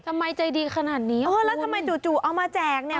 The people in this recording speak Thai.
ทำไมใจดีขนาดนี้เออแล้วทำไมจู่จู่เอามาแจกเนี่ย